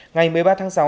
ngày một mươi ba tháng sáu